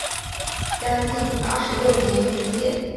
嘉靖二十六年知县。